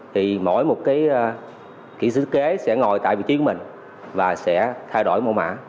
thì mỗi một kỹ sư kế sẽ ngồi tại vị trí của mình và sẽ thay đổi mẫu mã